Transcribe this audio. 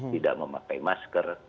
tidak memakai masker